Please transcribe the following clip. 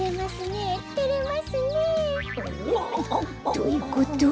どういうこと？